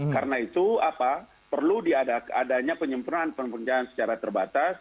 karena itu perlu diadanya penyempuran pengerjaan secara terbatas